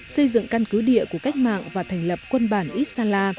xây dựng căn cứ địa của cách mạng và thành lập quân bản isala